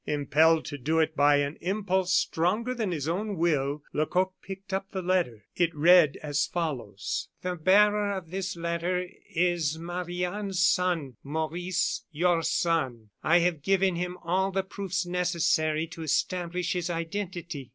Impelled to do it by an impulse stronger than his own will, Lecoq picked up the letter. It read as follows: "The bearer of this letter is Marie Anne's son, Maurice your son. I have given him all the proofs necessary to establish his identity.